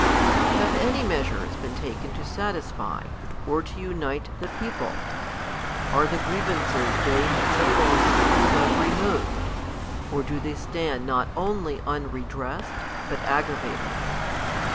Have any measures been taken to satisfy, or to unite the people ? Are the grievances they have so long complained of removed ? or do they stand not only unredressed, but aggravated